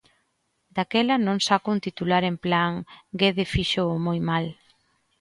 Daquela non saco un titular en plan "Guede fíxoo moi mal".